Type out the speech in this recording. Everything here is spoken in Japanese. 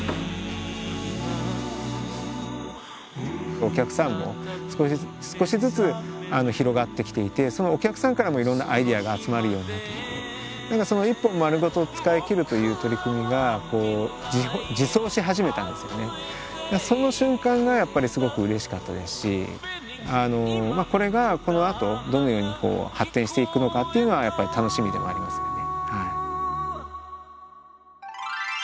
お客さんも少しずつ広がってきていてそのお客さんからもいろんなアイデアが集まるようになってきてその瞬間がやっぱりすごくうれしかったですしこれがこのあとどのように発展していくのかっていうのはやっぱり楽しみでもありますよね。